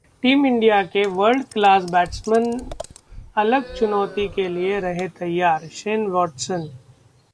team India के world class batsman अगल चुनौती के लिए रहें तैयारः शेन वॉटसन